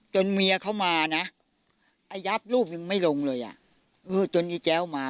จนเมียเขามาน่ะอัยับลูกหนึ่งไม่ลงเลยอ่ะอื้อจนไอ้แจ๋วมา